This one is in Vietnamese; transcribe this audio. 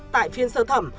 tại phiên sơ thẩm